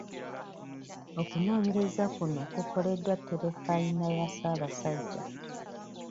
Okunoonyereza kuno kukoleddwa terefiyina ya Ssaabasajja.